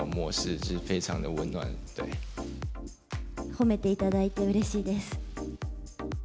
褒めていただいてうれしいです。